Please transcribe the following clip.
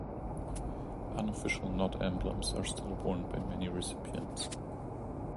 Unofficial knot emblems are still worn by many recipients.